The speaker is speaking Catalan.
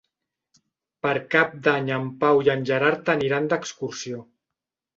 Per Cap d'Any en Pau i en Gerard aniran d'excursió.